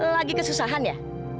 lagi kesusahan ya